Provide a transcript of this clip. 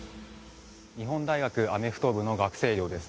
日本大学アメフト部の学生寮です。